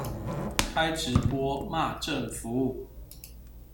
開直播罵政府